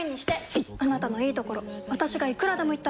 いっあなたのいいところ私がいくらでも言ってあげる！